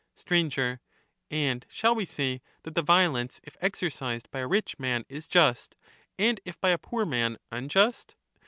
Sir, And shall we say that the violence, if exercised by a rich man, is just, and if by a poor man, unjust?